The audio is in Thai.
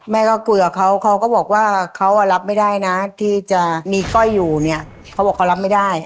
แม่ก็คุยกับเขาเขาก็บอกว่าเขารับไม่ได้นะที่จะมีก้อยอยู่เนี่ยเขาบอกเขารับไม่ได้